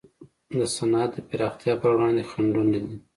د صنعت د پراختیا پر وړاندې خنډونه دي.